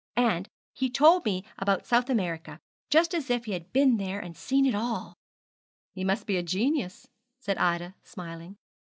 And he told me about South America, just as if he had been there and seen it all.' 'He must be a genius,' said Ida, smiling.